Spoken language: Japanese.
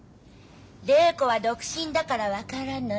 礼子は独身だから分からないの。